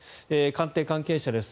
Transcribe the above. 官邸関係者です。